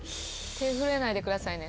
手震えないでくださいね。